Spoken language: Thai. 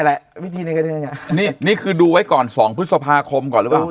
แหละวิธีนี้นี่นี่คือดูไว้ก่อนสองพฤษภาคมก่อนหรือเปล่า